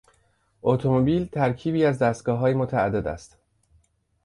اتومبیل ترکیبی از دستگاههای متعدد است.